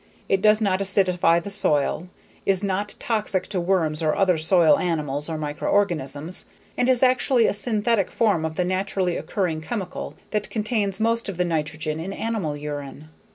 It does not acidify the soil, is not toxic to worms or other soil animals or microorganisms, and is actually a synthetic form of the naturally occurring chemical that contains most of the nitrogen in animal urine.